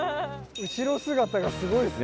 後ろ姿がすごいですね。